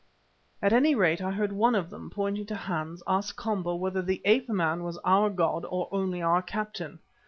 At any rate, I heard one of them, pointing to Hans, ask Komba whether the ape man was our god or only our captain.